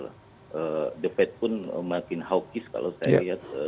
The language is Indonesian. the fed pun makin haukis kalau saya lihat